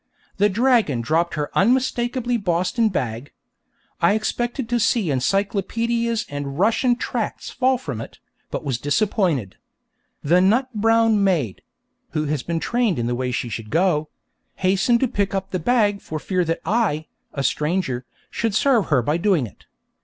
The dragon dropped her unmistakably Boston bag. I expected to see encyclopædias and Russian tracts fall from it, but was disappointed. The 'nut brown mayde' (who has been trained in the way she should go) hastened to pick up the bag for fear that I, a stranger, should serve her by doing it.